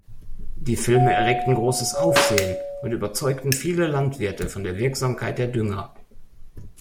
Die Filme erregten großes Aufsehen und überzeugten viele Landwirte von der Wirksamkeit der Dünger.